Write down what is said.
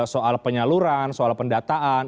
soal penyaluran soal pendataan